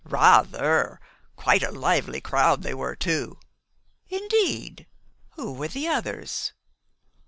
"Rather! Quite a lively crowd they were too." "Indeed. Who were the others?"